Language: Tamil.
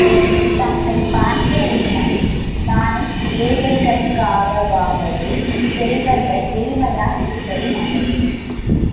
தம்மைப் பார்த்து உள்ளம் நாணும் ஏழைகட்காகவாவது செல்வர்கள் எளிமையாய் இருப்பது நல்லது.